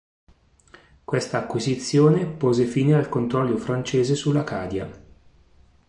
Questa acquisizione pose fine al controllo francese sull'Acadia.